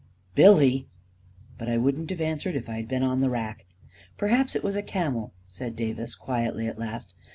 Billy ..." But I wouldn't have answered if I had been on the rack. " Perhaps it was a camel," said Davis, quietly, at last.